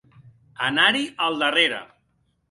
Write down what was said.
Anar-hi al darrere.